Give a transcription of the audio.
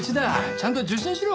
ちゃんと受診しろ。